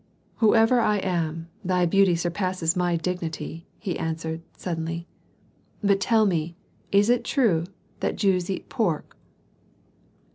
"Whoever I am, thy beauty surpasses my dignity," answered he, suddenly. "But tell me, is it true that the Jews eat pork?"